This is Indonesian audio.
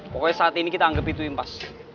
pokoknya saat ini kita anggap itu impas